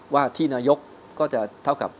ว่าที่นายกก็จะเท่ากับ